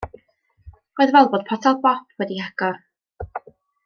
Roedd fel bod potel bop wedi'i hagor.